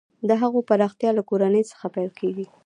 د هغو پراختیا له کورنۍ څخه پیل کیږي.